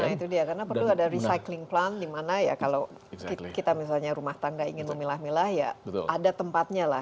nah itu dia karena perlu ada recycling plant di mana ya kalau kita misalnya rumah tangga ingin memilah milah ya ada tempatnya lah